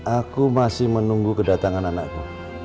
aku masih menunggu kedatangan anakku